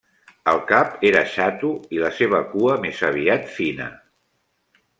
El cap era xato i la seva cua més aviat fina.